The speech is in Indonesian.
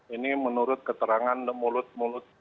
ini menurut keterangan mulut mulut